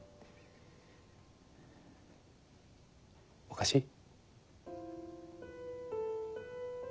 おかしい？